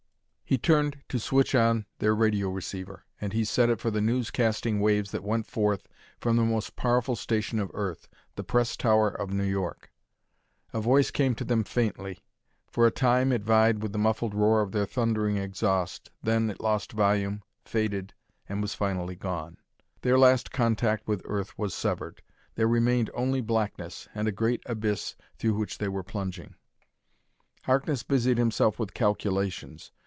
He turned to switch on their radio receiver, and he set it for the newscasting waves that went forth from the most powerful station of Earth, the Press Tower of New York. A voice came to them faintly. For a time it vied with the muffled roar of their thundering exhaust; then it lost volume, faded, and was finally gone. Their last contact with Earth was severed. There remained only blackness, and a great abyss through which they were plunging. Harkness busied himself with calculations.